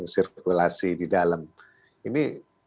sirkulasi di dalam ini